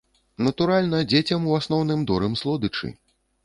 Натуральна, дзецям у асноўным дорым слодычы.